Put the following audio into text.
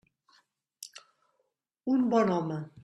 Un bon home.